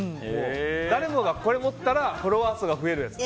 誰もが、これを持ったらフォロワー数が増えるやつ。